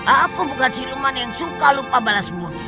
aku bukan siluman yang suka lupa balas bunuh hehehe